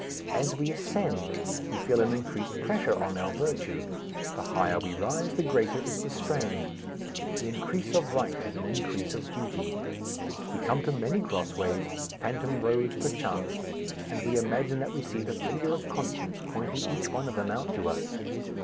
As we ascend we feel an increased pressure on our virtue. The higher we rise, the greater is the strain. The increase of right is an increase of duty. We come to many cross ways, phantom roads perchance, and we imagine that we see the finger of conscience pointing each one of them out to us.